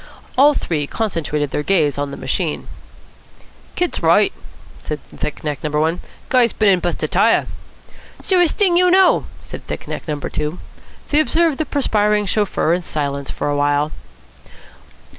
All three concentrated their gaze on the machine "Kid's right," said thick neck number one. "Guy's been an' bust a tyre." "Surest thing you know," said thick neck number two. They observed the perspiring chauffeur in silence for a while.